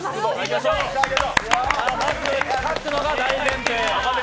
まず、勝つのが大前提。